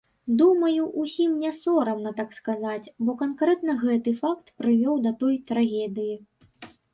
Думаю, усім не сорамна так сказаць, бо канкрэтна гэты факт прывёў да той трагедыі.